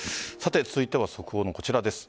続いては速報、こちらです。